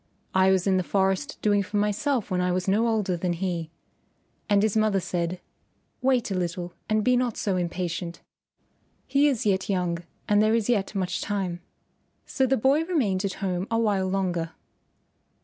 I was in the forest doing for myself when I was no older than he." And his mother said, "Wait a little and be not so impatient. He is yet young and there is yet much time." So the boy remained at home a while longer.